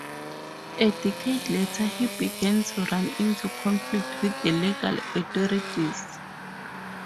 A decade later he began to run into conflict with the legal authorities.